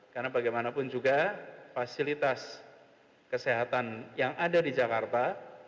karena bagaimanapun juga fasilitas kesehatan yang ada di jakarta